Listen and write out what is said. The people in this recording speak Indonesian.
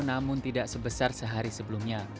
namun tidak sebesar sehari sebelumnya